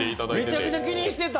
めちゃくちゃ気にしてた！